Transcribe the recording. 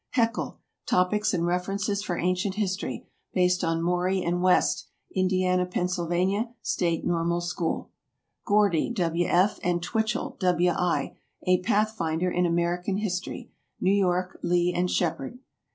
HECKEL. "Topics and References for Ancient History (based on Morey and West)." Indiana, Pa., State Normal School. GORDY, W. F., and TWITCHELL, W. I. "A Pathfinder in American History." New York, Lee and Sheppard.